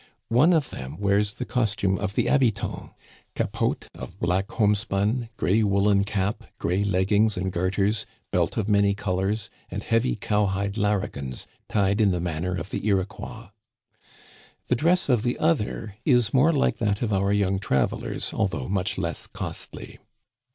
One of them wears the costume of the habitants — capote of black homespun, gray woolen cap, gray leggings and garters, belt of many colors, and heavy cowhide larrigans tied in the manner of the Iroquois. The dress of the other is more like that of our young travelers, although much less costly.